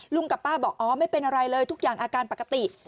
กับป้าบอกอ๋อไม่เป็นอะไรเลยทุกอย่างอาการปกติ